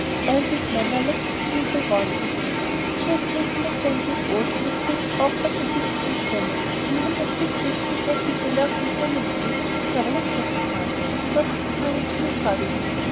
Elsie's manner lacked its usual warmth and ease. She had taken no fancy at all to the stiff, awkward little English woman, in whom her quick wits detected the lurking tendency to cavil and criticise, and was discouraging accordingly.